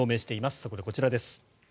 そこでこちらです。